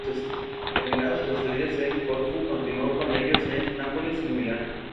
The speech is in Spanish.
Terminados sus estudios en Corfú, continúo con ellos en Nápoles y Milán.